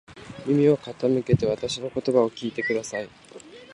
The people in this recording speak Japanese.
耳を傾けてわたしの言葉を聞いてください。